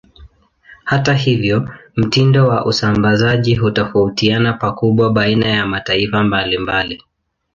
Hata hivyo, mtindo wa usambazaji hutofautiana pakubwa baina ya mataifa mbalimbali.